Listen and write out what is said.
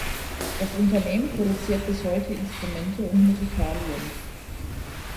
Das Unternehmen produziert bis heute Instrumente und Musikalien.